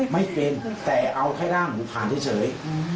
ไม่เป็นแต่เอาแค่ร่างหนูผ่านเฉย